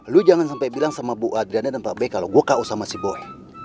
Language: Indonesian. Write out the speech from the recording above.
lu jangan sampe bilang sama bu adriana dan pak be kalo gua ko sama si boy